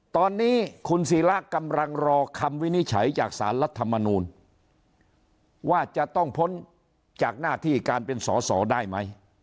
ตอนนี้คุณศิระกำลังรอคำวินิจฉัยจากสารรัฐมนูลว่าจะต้องพ้นจากหน้าที่การเป็นสอสอได้ไหม